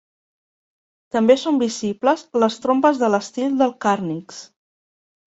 També són visibles les trompes de l'estil del càrnix.